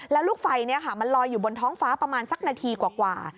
แล้วลูกไฟมันลอยอยู่บนท้องฟ้าประมาณสักนาทีกว่า